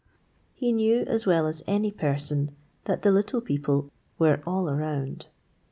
He knew, as well as any person, that the Little People were all around.